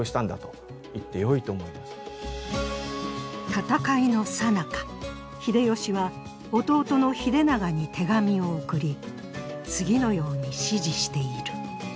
戦いのさなか秀吉は弟の秀長に手紙を送り次のように指示している。